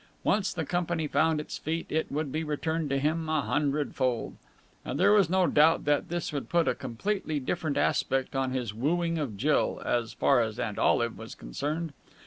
Once the company found its feet, it would be returned to him a hundred fold. And there was no doubt that this would put a completely different aspect on his wooing of Jill, as far as Aunt Olive was concerned.